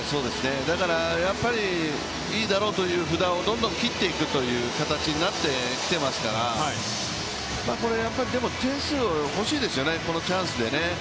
だからやっぱりいいだろうという札をどんどん切っていくという形になってきていますからでも、点数が欲しいですよね、このチャンスで。